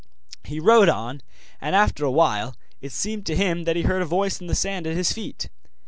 He rode on, and after a while it seemed to him that he heard a voice in the sand at his feet.